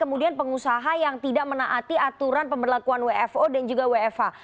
kemudian pengusaha yang tidak menaati aturan pemberlakuan wfo dan juga wfh